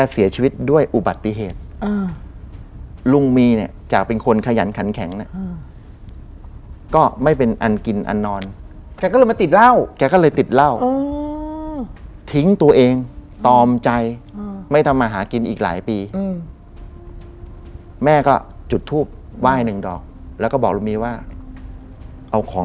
ซึ่งมีต่ออยู่ข้างล่าง